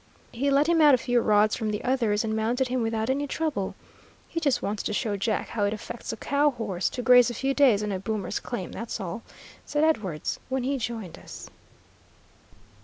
He led him out a few rods from the others and mounted him without any trouble. "He just wants to show Jack how it affects a cow horse to graze a few days on a boomer's claim, that's all," said Edwards, when he joined us.